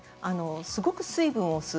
すごく水分を吸う。